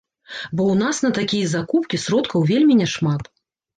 Бо ў нас на такія закупкі сродкаў вельмі няшмат.